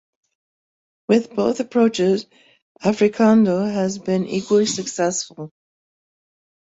With both approaches, Africando has been equally successful.